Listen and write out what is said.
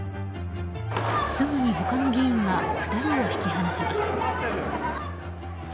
すぐに、他の議員が２人を引き離します。